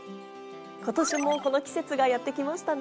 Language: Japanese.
今年もこの季節がやってきましたね。